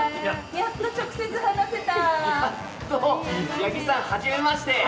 やっと直接話せた！